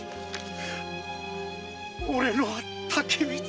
俺のは竹光！